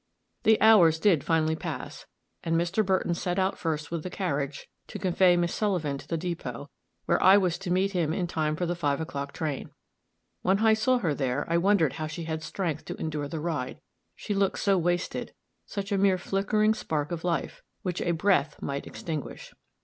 The hours did finally pass, and Mr. Burton set out first with a carriage, to convey Miss Sullivan to the depot, where I was to meet him in time for the five o'clock train. When I saw her there, I wondered how she had strength to endure the ride, she looked so wasted such a mere flickering spark of life, which a breath might extinguish.